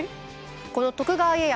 この徳川家康